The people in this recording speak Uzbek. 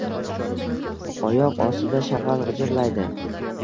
Oyoq ostida shagʼal gʼijirlaydi.